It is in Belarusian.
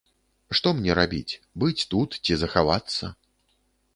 Што мне рабіць, быць тут ці захавацца?